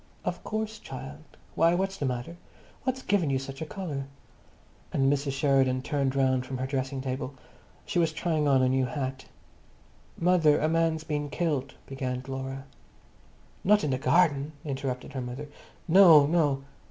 "Of course, child. Why, what's the matter? What's given you such a colour?" And Mrs. Sheridan turned round from her dressing table. She was trying on a new hat. "Mother, a man's been killed," began Laura. "Not in the garden?" interrupted her mother. "No, no!"